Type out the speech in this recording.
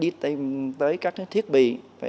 để tìm tới các thiết bị